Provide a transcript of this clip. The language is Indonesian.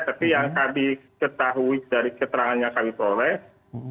tapi yang kami ketahui dari keterangannya kami proles